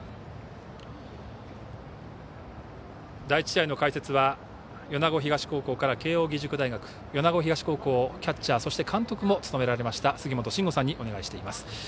第１試合の解説は米子東高校から慶応義塾大学米子東高校キャッチャーそして監督も務められました杉本真吾さんにお願いしています。